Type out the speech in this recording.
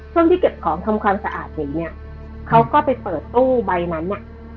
ช่วงที่เก็บของทำความสะอาดหนีเนี่ยเขาก็ไปเปิดตู้ใบนั้นน่ะ